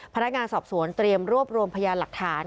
พนักงานสอบสวนเตรียมรวบรวมพยานหลักฐาน